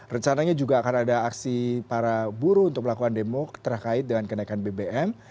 rencananya juga akan ada aksi para buruh untuk melakukan demo terkait dengan kenaikan bbm